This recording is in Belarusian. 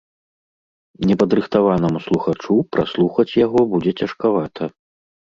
Непадрыхтаванаму слухачу праслухаць яго будзе цяжкавата.